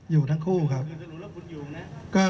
อยู่ทั้งคู่ครับ